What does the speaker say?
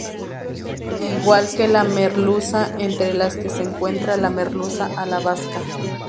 Igual que la merluza, entre las que se encuentra la merluza a la vasca.